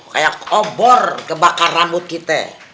kayak obor kebakar rambut kita